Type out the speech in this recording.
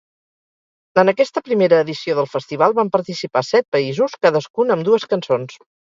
En aquesta primera edició del Festival van participar set països, cadascun amb dues cançons.